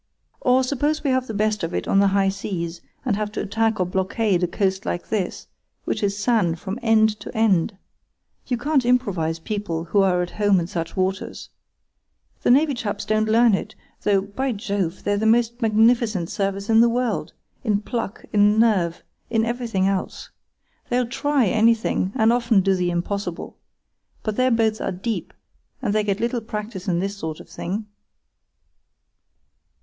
"Or, suppose we have the best of it on the high seas, and have to attack or blockade a coast like this, which is sand from end to end. You can't improvise people who are at home in such waters. The navy chaps don't learn it, though, by Jove! they're the most magnificent service in the world—in pluck, and nerve, and everything else. They'll try anything, and often do the impossible. But their boats are deep, and they get little practice in this sort of thing."